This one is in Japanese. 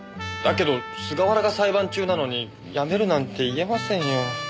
だけど菅原が裁判中なのに辞めるなんて言えませんよ。